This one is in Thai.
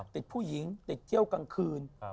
ติดผู้หญิงติดเที่ยวกลางคืน